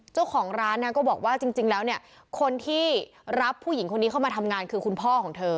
เจ้าของร้านนะก็บอกว่าจริงแล้วเนี่ยคนที่รับผู้หญิงคนนี้เข้ามาทำงานคือคุณพ่อของเธอ